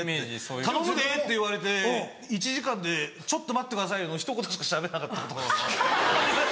「頼むで」って言われて１時間で「ちょっと待ってくださいよ」のひと言しかしゃべれなかったことも。